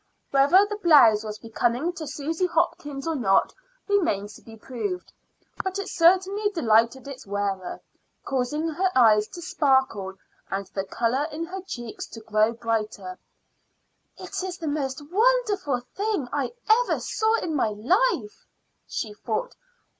Whether the blouse was becoming to Susy Hopkins or not remains to be proved, but it certainly delighted its wearer, causing her eyes to sparkle and the color in her cheeks to grow brighter. "It is the most beautiful thing I ever saw in my life," she thought.